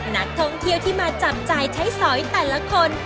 นักท่องเที่ยวที่มาจับจ่ายใช้สอยแต่ละคน